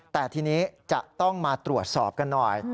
แต่ทีนี้จะต้องมาตรวจสอบกันหน่อย